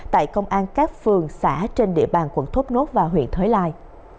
tại công an các phường xã trên địa bàn quận thốt nốt và huyện thới lai